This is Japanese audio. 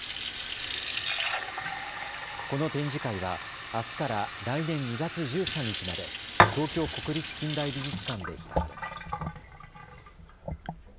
この展示会は、あすから来年２月１３日まで東京国立近代美術館で開かれます。